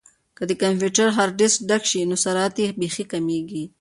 که د کمپیوټر هارډیسک ډک شي نو سرعت یې بیخي کمیږي.